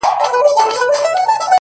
خو له دې بې شرفۍ سره په جنګ یم،